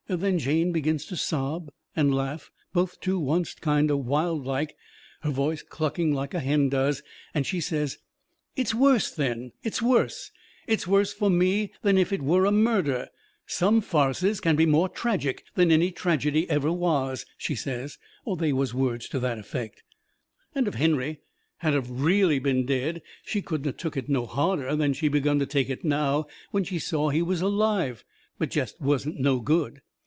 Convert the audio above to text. Then Jane begins to sob and laugh, both to oncet, kind o' wild like, her voice clucking like a hen does, and she says: "It's worse then, it's worse! It's worse for me than if it were a murder! Some farces can be more tragic than any tragedy ever was," she says. Or they was words to that effect. And if Henry had of been really dead she couldn't of took it no harder than she begun to take it now when she saw he was alive, but jest wasn't no good.